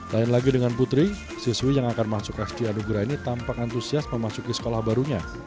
lain lagi dengan putri siswi yang akan masuk sd anugerah ini tampak antusias memasuki sekolah barunya